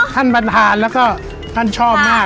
ท่านประธานแล้วก็ท่านชอบมาก